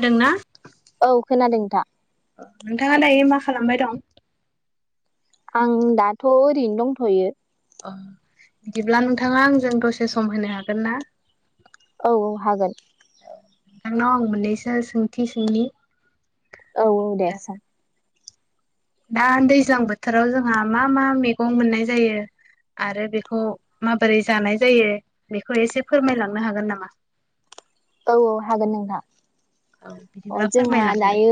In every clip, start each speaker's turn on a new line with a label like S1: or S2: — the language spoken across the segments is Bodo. S1: खोनादोंना
S2: औ खोनादों नोंथां।
S1: नोंथाङा दायो मा खालामबाय दं?
S2: आं दाथ' ओरैनो दंथ'यो।
S1: अ बिदिब्ला नोंथाङा आंजों दसे सम होनो हागोन ना?
S2: औ औ हागोन।
S1: नोंनाव आं मोननैसो सोंथि सोंनि।
S2: औ औ दे सों।
S1: दा दैज्लां बोथोराव जोंहा मा मा मैगं मोननाय जायो आरो बेखौ माबोरै जानाय जायो बेखौ एसे फोरमायलांनो हागोन नामा? [unintelligible]
S2: औ औ हागोन नोंथां
S1: औ
S2: अ
S1: बिदिब्ला
S2: जोंहा
S1: फोरमायलांदो
S2: दायो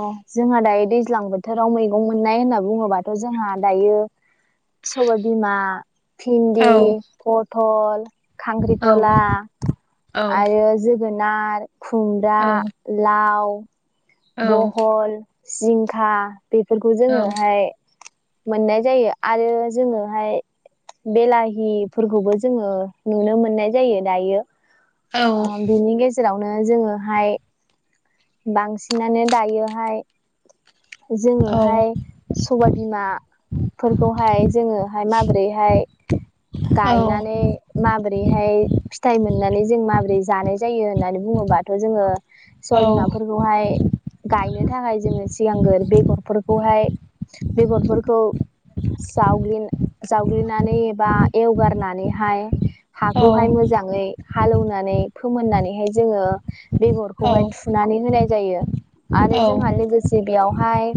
S2: औ जोंहा दायो दैज्लां बोथोराव मैगं मोननाय होनना बुङोबाथ' जोंहा दायो सबाय बिमा भिन्दि
S1: औ
S2: पथल
S1: औ
S2: खांख्रिखला
S1: औ
S2: आरो जो गोनार, खुमब्रा,
S1: औ
S2: लाव,
S1: औ
S2: बहल, जिंखा बेफोरखौ
S1: औ
S2: जोङोहाय मोननाय जायो आरो जोङोहाय बेलाहिफोरखौबो जोङो नुनो मोननाय जायो दायो। ओ बिनि गेजेरावनो जोङोहाय बांसिनानो दायोहाय
S1: औ
S2: जोङोहाय सबायबिमा फोरखौहाय जोङोहाय माबोरैहाय
S1: औ
S2: गायनानै माबोरैहाय फिथाइ मोननानै जों माबोरै जानाय जायो होननानै बुङोबाथ' जोङो सबाय बिमाफोरखौहाय गायनो थाखाय जोङो सिगांगोर बेगरफोरखौहाय बेगरफोरखौ जावग्लिन जावग्लिनानै एबा एवगारनानैहाय हाखौहाय मोजाङै हालौवनानै फोमोननानैहाय जोङो
S1: औ
S2: बेगरखौहाय थु थुनानै होनाय जायो आरो जोंहा
S1: औ
S2: लोगोसे गिबियावहाय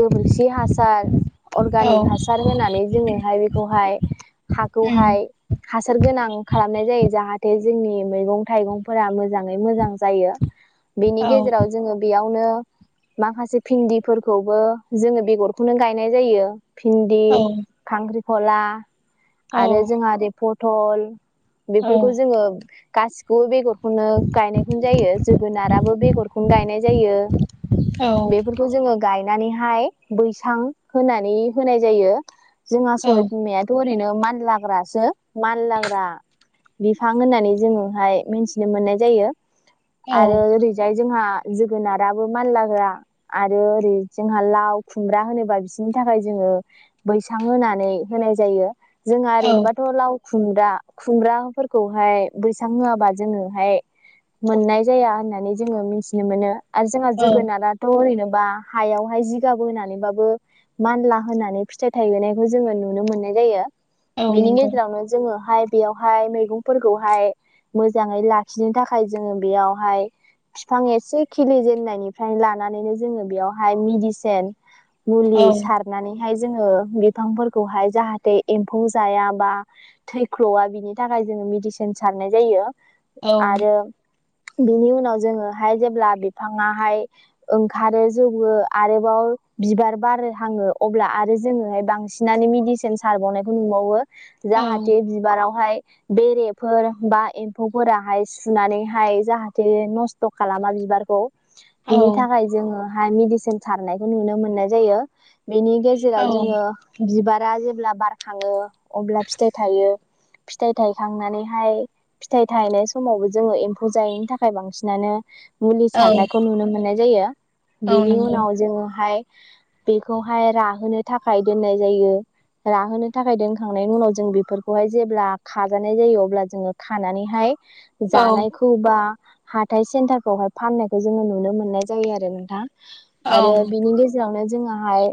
S2: गोबोरखि हासार अर्गानिक हासार होनानै जोङोहाय बेखौहाय
S1: उम
S2: हाखौहाय हासार गोनां खालामनाय जायो जाहाथे जोंनि मैगं थाइगंफोरा मोजाङै मोजां जायो। बेनि
S1: औ
S2: गेजेराव जोङो बेयावनो माखासे भिन्दिफोरखौबो जोङो बेगरखौनो गायनाय जायो। भिन्दि
S1: औ
S2: खांख्रिखला आरो
S1: औ
S2: जोंहा ओरै पथल
S1: औ
S2: बेफोरखौ जोङो गासिखौबो बेगरखौनो गायनायखौनो जायो। जोगोनाराबो बेगरखौनो गायनाय जायो।
S1: औ
S2: बेखौ जोङो गायनानैहाय बैसां होनानै होनाय जायो। जोंहा सबाय बिमायाथ' ओरैनो मानलाग्रासो मानलाग्रा बिफां होननानै जोंङोहाय मिथिनो मोननाय जायो। आरो
S1: औ
S2: ओरैजाय जोंहा जोगोनाराबो मानलाग्रा आरो ओरै जोंहा लाव खुमब्रा होनोबा बिसोरनि थाखाय जोङो बैसां होनानै होनाय जायो जोंहा
S1: औ
S2: ओरैनोबाथ' लाव खुमब्रा खुमब्राफोरखौहाय बैसां होआबा जोङोहाय मोननाय जाया होननानै जोङो मिथिनो मोनो आरो जोंहा
S1: औ
S2: जोगोनारा थ' ओरैनोबा हायावहाय जिगाबो होनानैबाबो मानला होननानै फिथाइ थायहोनायखौ जोङो नुनो मोननाय जायो
S1: औ
S2: बेनि
S1: नंगौ
S2: गेजेरावनो जोङो हाइ बेयावहाय मैगंफोरखौहाय मोजाङै लाखिनो थाखाय जोङो बेयावहाय बिफां एसे खिलि जेननायनिफ्राय लानानैनो जोङो बेयावहाय मिडिसेन
S1: औ
S2: मुलि सारनानैहाय जोङो बिफांफोरखौहाय जाहाथे एम्फौ जाया बा थैख्ल'आ बिनि थाखाय जोङो मेडिसिन सारनाय जायो
S1: औ
S2: आरो बिनि उनाव जोङोहाय जेब्ला बिफाङाहाय ओंखारो जौवोबो आरोबाव बिबार बारो हाङो अब्ला आरो जोङोहाय बांसिन बिनानै मेदिसिन सारबावनायखौ नुबावो जाहाथे बिबारावहाय बेरे फोर बा एम्फौफोराहाय सुनानैहाय जाहाथे नस्थ' खालामा बिबारखौ। बिनि थाखाय जोङो हाय मेडिसिन सारनायखौ नुनो मोननाय जायो। बेनि
S1: औ
S2: गेजेराव जोङो बिबारा जेब्ला बारखाङो अब्ला फिथाइ थायो। फिथाइ थायखांनानैहाय फिथाइ थायनाय समावबो जोङो एम्फौ जायिनि थाखाय बांसिनानो मुलि
S1: औ
S2: सारनायखौ नुनो मोननाय जायो
S1: औ
S2: बेनि
S1: नंगौ
S2: उनाव जोङोहाय बेखौहाय राहोनो थाखाय दोननाय जायो। राहोनो थाखाय दोनखांनायनि उनाव जों बेफोरखौहाय जेब्ला खाजानाय जायो अब्ला जोङो खानानैहाय जानायखौ बा हाथाय सेन्टारफ्रावहाय फाननायखौ जोङो नुनो मोननाय जायो आरो नोंथां।
S1: औ
S2: आरो बिनि गेज बियावनो जोङोहाय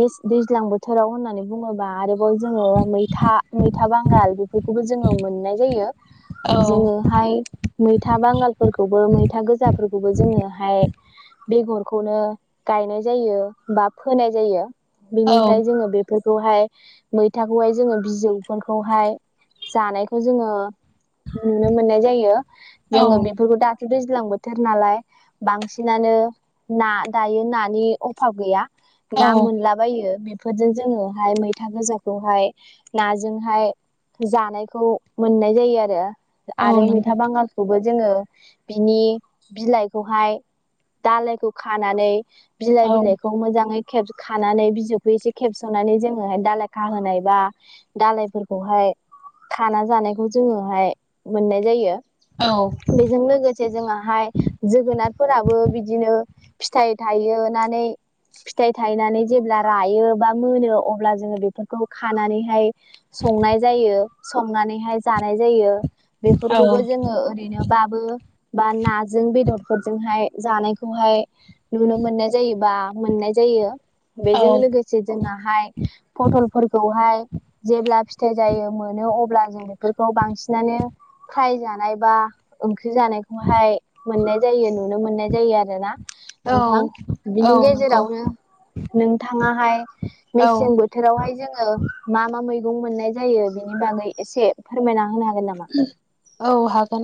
S2: मिस दैज्लां बोथोराव होननानै बुङोबा आरो बाव जोङो मैथा मैथा बांगाल बेफोरखौबो जोङो मोननाय जायो।
S1: औ
S2: जोङोहाय मैथा बांगालफोरखौबो मैथा गोजाफोरखौबो जोङोहाय बेगरखौनो गायनाय जायो बा फोनाय जायो
S1: औ
S2: बेनिफ्राय जोङो बेफ फोरखौहाय मैथाखौहाय जोङो बिजौफोरखौहाय जानायखौ जोङो नुनो मोननाय जायो जोङो
S1: नंगौ औ
S2: बेफोरखौ दाथ' दैज्लां बोथोर नालाय। बांसिनानो ना दायो नानि अभाब गैया
S1: औ
S2: ना मोनलाब बायो बेफोरजों जोङोहाय मैथा गोजाखौहाय नाजोंहाय जानायखौ मोननाय जायो आरो आरो
S1: औ
S2: मिथ बांगालखौबो जोङो बिनि बिलाइखौहाय दालायखौ खानानै बिलाइ बिलाइखौ मोजाङै खेब खानानै बिजौखौ एसे खेबस'नानै जोङोहाय दाालायखा होनाय बा दालायफोरखौहाय खाना जानायखौ जोङोहाय मोननाय जायो।
S1: औ
S2: बेजों लोगोसे जोंआहाय जोगोनारफोराबो बिदिनो फिथाइ थायहोनानै फिथाइ थायनानै जेब्ला रायो बा मोनो अब्ला जोङो बेफोरखौ खानानैहाय संनाय जायो संनानैहाय जानाय जायो बेफोरखौ ओरैनो बाबो बा नाजों बेदरफोरजोंहाय जानायखौहाय नुनो मोननाय जायोबा मोननाय जायो बेजों लोगोसे जोंनाहाय पथलफोरखौहाय जेब्ला फिथाइ जायो मोनो अब्ला जोंङो फोरखौ बांसिनानो फ्राय जानाय बा ओंख्रि जानायखौहाय मोननाय जायो नुनो मोननाय जायो आरो ना? नोंथां बिनि
S1: नंगौ
S2: गेजेरावनो नोंथाङाहाय
S1: औ
S2: मेसें बोथ बोथोरावहाय जोङो मा मा मैगं मोननाय जायो बेनि बागै एसे फोरमायना होनो हागोन नामा?
S1: औ हागोन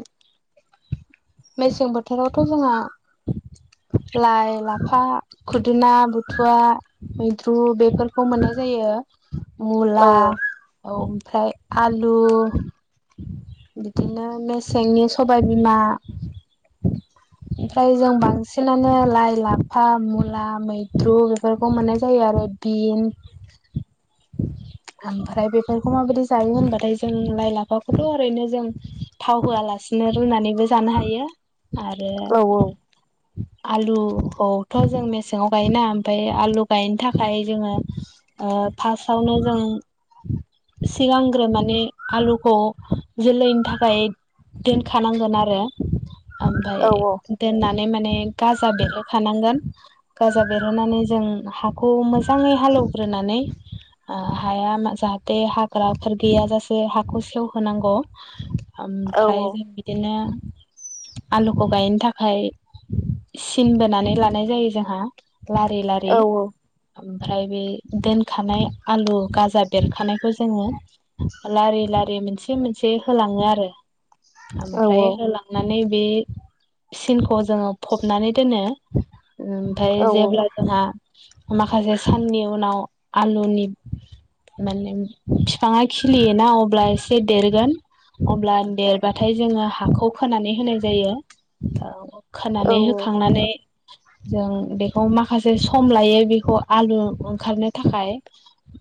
S1: मेसें बोथोरावथ' जोंहा लाइ लाफा खुदुना बुथुवा मैद्रु बेफोरखौ मोननाय जायो।
S2: औ
S1: मुला ओमफ्राय आलु बिदिनो मेसेंनि सबायबिमा। ओमफ्राय जों बांसिनानो लाइ लाफा मुला मैद्रु बेफोरखौ मोननाय जायो आरो बिन ओमफ्राय बेफोरखौ माबायदि जायो होनबाथाय जों लाइ लाफाख थ' ओरैनो जों थाव होआलासिनो रुनानैबो जानो हायो। आरो
S2: औ
S1: आलुखौथ' जों मेसेङाव गायोना ओमफाय आलु गायनो थाखाय जोङो ओ फासावनो जों सिगांग्रो माने आलुखौ जोलैनि थाखाय दोनखानांगोन आरो ओमफाय
S2: औ
S1: दोननानै माने गाजा बेरहो खानांगोन। गाजा बेरहोनानै जों हाखौ मोजाङै हालेवग्रोनानै ओ हाया मा जाहाथे हाग्राफोर गैयाजासे हाखौ सेव होनांगौ
S2: औ
S1: ओमफ्राय जों बिद बिदिनो आलुखौ गायनो थाखाय सिन बोनानै लानाय जायो जोंहा लारि लारि
S2: औ
S1: ओमफ्राय बे दोनखानाय आलु गाजा देरखानायखौ जोङो लारि लारि मोनसे मोनसे होलाङो आरो ओमफ्राय होलां नानै बे सिनखौ जोङो फबनानै दोनो
S2: औ
S1: ओमफ्राय जेब्ला जोंहा माखासे साननि उनाव आलुनि माने बिफाङा खिलियोना अब्ला एसे देरगोन अब्ला देरबाथाय जोङो हाखौ खोनानै होनाय जायो औ खोनानै
S2: औ
S1: होखांनानै जों बेखौ माखासे सम लायो बेखौ आलु ओंखारनो थाखाय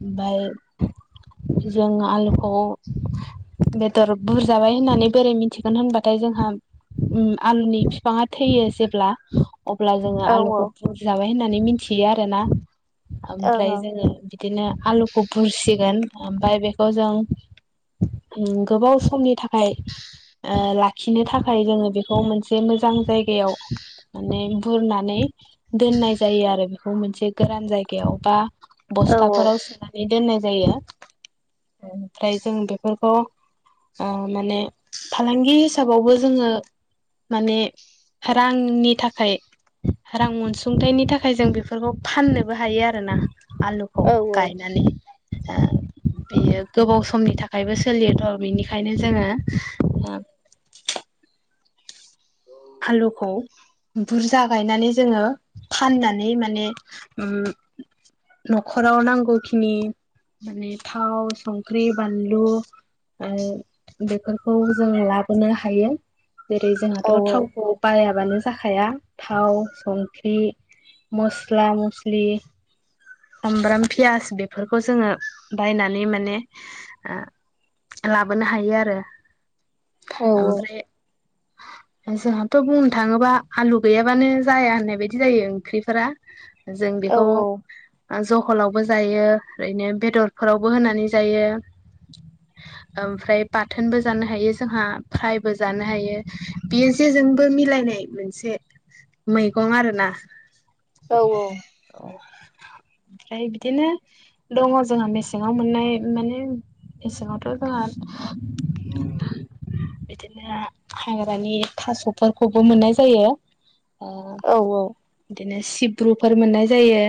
S1: ओमफाय जों आलुखौ बेदर बुरजाबाय होननानै बोरै मिथिगोन होनबाथाय जोंहा उम आलुनि बिफाङा थैयो जेब्ला अब्ला जोङो
S2: औ
S1: आलुखौ बुरजाबाय होननानै मिथियो आरो ना
S2: औ
S1: ओमफ्राय जोङो बिदिनो आलुखौ बुरसिगोन ओमफ्राय बेखौ जों गोबाव समनि थाखाय ओ लाखिनो थाखाय जोङो बेखौ मोनसे एसे मोजां जायगायाव माने बुरनानै दोननाय जायो आरो बेखौ मोनसे गोरान जायगायाव बा बस्थाफोराव सोनानै दोननाय जायो ओमफ्राय जों बेफोरखौ ओ माने फालांगि हिसाबावबो जोङो माने रांनि थाखाय रां अनसुंथाइनि थाखाय जों बेफोरखौ फाननोबो हायो आरोना आलुखौ गायनानै ओ बेयो गोबाव सम समनि थाखायबो सोलियोथ' बिनिखायनो जोङो ओ आलुखौ बुरजा गायनानै जोङो फाननानै माने उम न'खराव नांगौखिनि माने थाव संख्रि बानलु बेफोरखौ जों लाबोनो हायो जेरै जोंहाथ' थावखौ बायाबानो जाखाया थाव संख्रि मस्ला मस्लि सामब्राम पियास बेफोरखौ जोङो बायनानै माने ओ लाबोनो हायो आरो ओमफ्राय जोंहाथ' बुंनो थाङोबा आलु गैयाबानो जाया होननाय बायदि जायो ओंख्रिफोरा जों बेखौ जहलावबो जायो ओरैनो बेदरफोरावबो होनानै जायो। ओमफ्राय बाथोनबो जानो हायो जोंहा फ्रायबो जानो हायो। बेयो जेजोंबो मिलायनाय मोनसे मैगं आरो ना।
S2: औ औ।
S1: औ ओमफ्राय बिदिनो दङ जोंहा मेसेंङाव मोननाय माने मेसेङावथ' जोंहा [unintelligible] बिदिनो मानि थास'फोरखौबो मोननाय जायो ओ
S2: औ
S1: बिदिनो सिब्रुफोर मोननाय जायो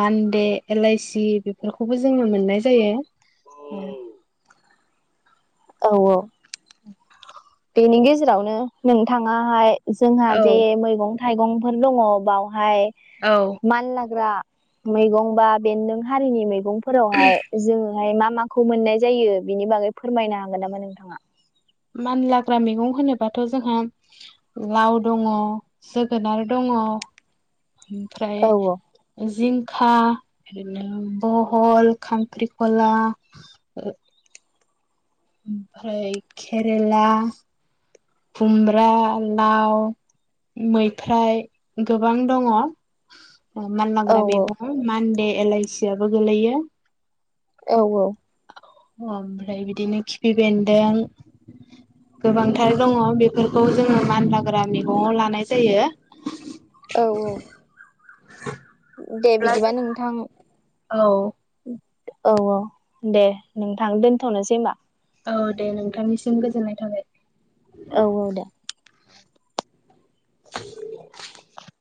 S1: मान्डे एलइसि बेफोरखौबो जोंङो मोननाय जायो ओ
S2: औ औ बेनि गेजेरावनो नोंथांङाहाय जोंहा जे मैगं थाइगंफोर दंङो बावहाय
S1: औ
S2: मान लाग्रा मैगं बा बेन्दों हारिनि मैगंफोरावहाय जोङोहाय मा माखौ मोननाय जायो बिनि बागै फोरमायनो हागोन नामा नोंथाङा
S1: मानलाग्रा मैगं होनोबाथाइ जोंहा लाव दङ जोगोनार दंङो ओमफ्राय
S2: औ
S1: जिंखा ओरैनो बहल खांख्रिखला ओमफाय केेरेला खुम्ब्रा लाव मैफ्राय गोबां दङ। औ
S2: औ
S1: मानलांग्रा मैगं मानदे एलइसि आबो गोलैयो।
S2: औ औ।
S1: औ ओमफ्राय बिदिनो खिफि बेन्दों। गोबांथार दंङो बेफोरखौ जोङो मानलाग्रा मैगङाव लानाय जायो। [inaudible]
S2: औ औ। दे
S1: बिदिब्ला
S2: बिदिबा
S1: जोंहा
S2: नोंथां।
S1: औ।
S2: औ औ दे नोंथां दोनथ'नोसै होमबा!
S1: औ दे नोंथांनिसिम गोजोननाय थाबाय।
S2: औ औ दे।
S1: [inaudible]